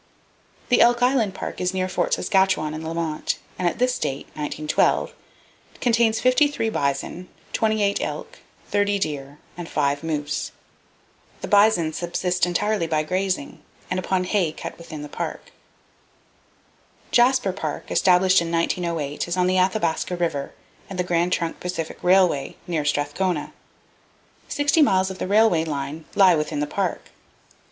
The Elk Island Park is near Fort Saskatchewan and Lamont, and at this date (1912) it contains 53 bison, 28 elk, 30 deer and 5 moose. The bison subsist entirely by grazing, and upon hay cut within the Park. Jasper Park, established in 1908, is on the Athabasca River and the Grand Trunk Pacific Railway, near Strathcona. Sixty miles of the railway line lie within the Park.